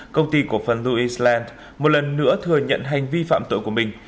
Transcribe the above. công ty cổ phần lewis land một lần nữa thừa nhận hành vi phạm tội của mình